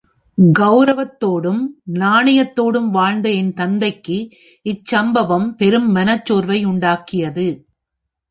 கெளரவத்தோடும் நாணயத்தோடும் வாழ்ந்த என் தந்தைக்கு இச்சம்பவம் பெரும் மனச் சோர்வை உண்டாக்கியது.